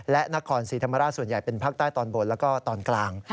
และนครศรีธรรมราชส่วนใหญ่เป็นภาคใต้ตอนบนแล้วก็ตอนกลาง